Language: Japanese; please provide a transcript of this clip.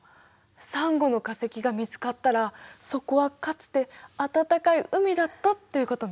サンゴの化石が見つかったらそこはかつて暖かい海だったということね。